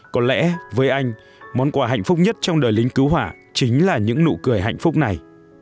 có lẽ với anh món quà hạnh phúc nhất trong đời lính cứu hỏa chính là những nụ cười hạnh phúc này